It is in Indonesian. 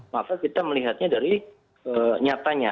maka kita melihatnya dari nyatanya